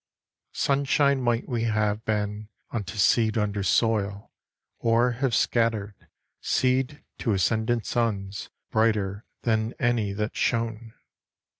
II Sunshine might we have been unto seed under soil, or have scattered Seed to ascendant suns brighter than any that shone.